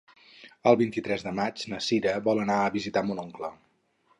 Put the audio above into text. El vint-i-tres de maig na Sira vol anar a visitar mon oncle.